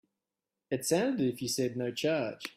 It sounded as if you said no charge.